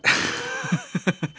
ハハハハハ。